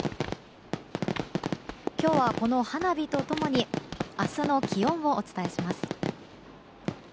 今日は、この花火と共に明日の気温をお伝えします。